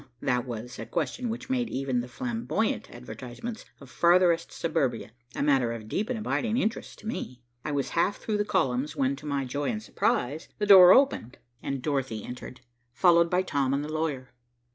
That was a question which made even the flamboyant advertisements of farthest Suburbia a matter of deep and abiding interest to me. I was half through the columns when, to my joy and surprise, the door opened, and Dorothy entered, followed by Tom and the lawyer.